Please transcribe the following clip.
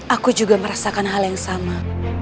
aku juga merasakan hal yang sama